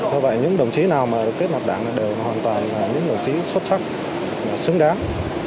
như vậy những đồng chí nào mà được kết nạp đảng là đều hoàn toàn là những đồng chí xuất sắc xứng đáng